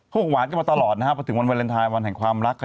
โครงหวานก็มาตลอดนะฮะถึงวันวาเลนไทยวันแห่งความรัก